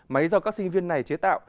máy do các sinh viên này chế tạo